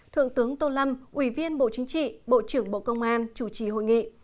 thượng tướng tô lâm ủy viên bộ chính trị bộ trưởng bộ công an chủ trì hội nghị